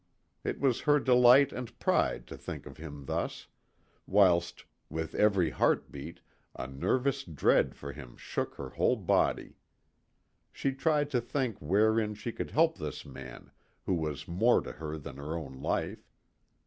It was her delight and pride to think of him thus, whilst, with every heart beat, a nervous dread for him shook her whole body. She tried to think wherein she could help this man who was more to her than her own life.